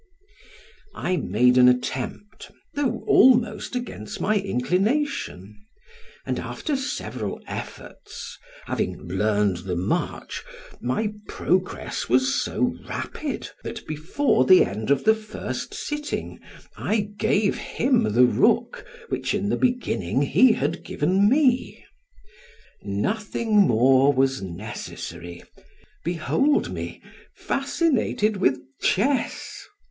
I made an attempt, though almost against my inclination, and after several efforts, having learned the march, my progress was so rapid, that before the end of the first sitting I gave him the rook, which in the beginning he had given me. Nothing more was necessary; behold me fascinated with chess!